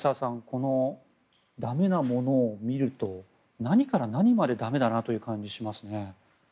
この駄目なものを見ると何から何まで駄目だなという感じがしますね。